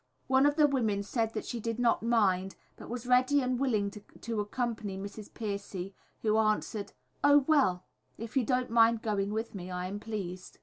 One of the women said that she did not mind, but was ready and willing to accompany Mrs. Pearcey, who answered, "Oh, well, if you don't mind going with me, I am pleased."